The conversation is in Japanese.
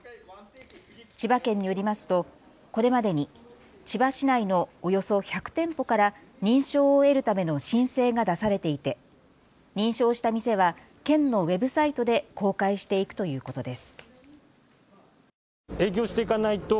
千葉県によりますとこれまでに千葉市内のおよそ１００店舗から認証を得るための申請が出されていて認証した店は県のウェブサイトで公開していくということです。